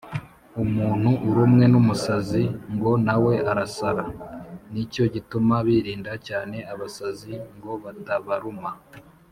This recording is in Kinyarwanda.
Umuntu urumwe n’umusazi ngo na we arasara. Nicyo gituma birinda cyane abasazi ngo batabaruma.